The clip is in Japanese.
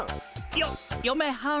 よよめはん？